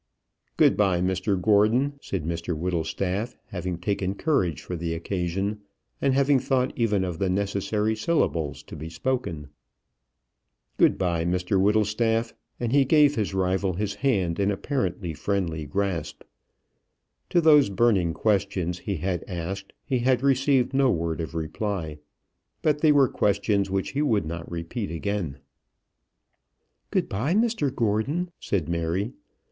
"Good bye, Mr Gordon," said Mr Whittlestaff, having taken courage for the occasion, and having thought even of the necessary syllables to be spoken. "Good bye, Mr Whittlestaff," and he gave his rival his hand in apparently friendly grasp. To those burning questions he had asked he had received no word of reply; but they were questions which he would not repeat again. "Good bye, Mr Gordon," said Mary.